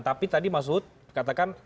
tapi tadi mas lut katakan